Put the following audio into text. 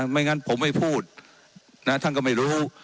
ไม่งั้นผมไม่พูดท่านก็ไม่รู้